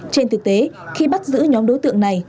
trên thực tế khi bắt giữ nhóm đối tượng này